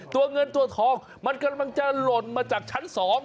ตัวเงินตัวทองมันกำลังจะหล่นมาจากชั้น๒